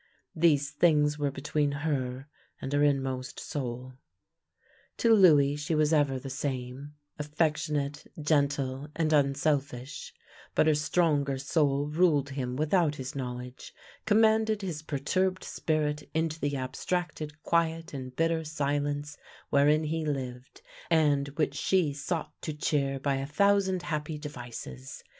These things were between her and her inmost soul. To Louis she was ever the same — affectionate. 76 THE LANE THAT HAD NO TURNING gentle^ and unselfish — but her stronger soul ruled him without his knowledge; commanded his perturbed spirit into the abstracted quiet and bitter silence where in he lived, and which she sought to cheer by a thou sand happy devices.